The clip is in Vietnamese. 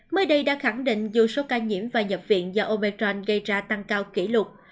mới đây đã khẳng định dù số ca nhiễm và nhập viện do omern gây ra tăng cao kỷ lục